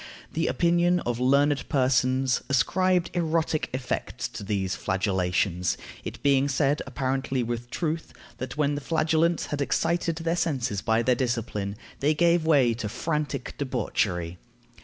The opinion of learned persons ascribed erotic effects to these flagellations, it being said, apparently with truth, that when the flagellants had excited their senses by their discipline, they gave way to frantic debauchery.